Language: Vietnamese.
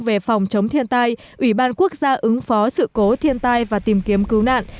về phòng chống thiên tai ủy ban quốc gia ứng phó sự cố thiên tai và tìm kiếm cứu nạn